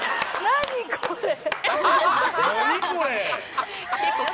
何これ？